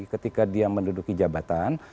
ketika dia menduduki jabatan